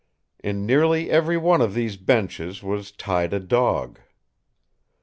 In nearly every one of these "benches" was tied a dog.